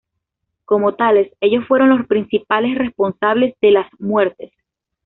Como tales, ellos fueron los principales responsables de las muertes.